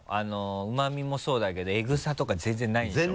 うま味もそうだけどエグさとか全然ないんでしょ？